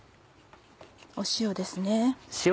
塩ですね。